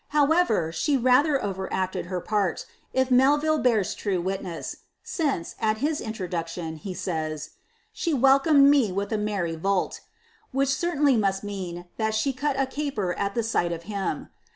How ever, she rather overacted her part, if Melville bears ttne witness, aioce, at hia introduction, he aays, " She welcomed roe with a merry eo/f," which certainly must mean, that she cut a caper at the sight of him.